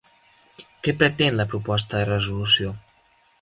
Què pretén la proposta de resolució?